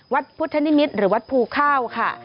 วัดพุทธนิมิตรหรือวัดภูข้าวค่ะ